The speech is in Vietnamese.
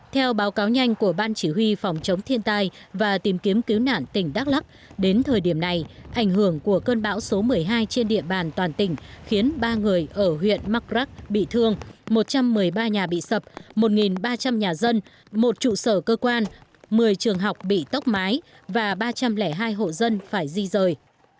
theo báo cáo nhanh của ban chỉ huy phòng chống thiên tai và tìm kiếm cứu nạn tỉnh đắk lắk đến thời điểm này ảnh hưởng của cơn bão số một mươi hai trên địa bàn toàn tỉnh khiến ba người ở huyện mắc rắc bị thương một trăm một mươi ba nhà bị sập một ba trăm linh nhà dân một trụ sở cơ quan một mươi trường học bị tốc mái và ba trăm linh hai hộ dân phải di rời